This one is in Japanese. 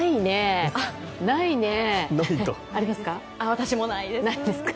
私もないです。